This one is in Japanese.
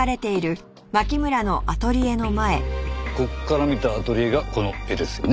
ここから見たアトリエがこの絵ですよね？